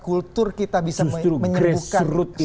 kultur kita bisa menyembuhkan sakit itu sendiri